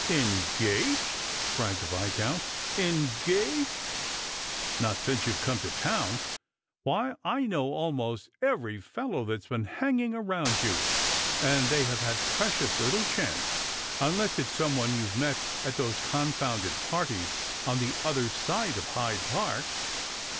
"Engaged!" cried the Viscount; "engaged! Not since you've cume to town ! Why, I know almost every fellow that has been hanging about you, and they have had precious little chance, unless it's some one you've met at those confounded parties on the other side of Hyde park."